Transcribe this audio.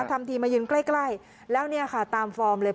ทำทีมายืนใกล้แล้วเนี่ยค่ะตามฟอร์มเลย